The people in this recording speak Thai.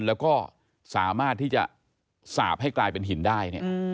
แล้วก็สามารถที่จะสาบให้กลายเป็นหินได้เนี่ย